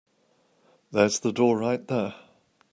There's the door right there.